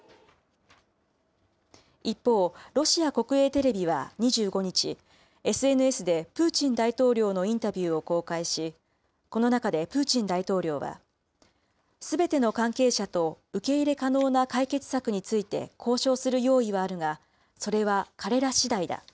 一方、ロシア国営テレビは２５日、ＳＮＳでプーチン大統領のインタビューを公開し、この中でプーチン大統領は、すべての関係者と受け入れ可能な解決策について交渉する用意はあるが、それは彼らしだいだ。